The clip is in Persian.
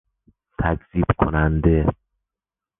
تکذیب کننده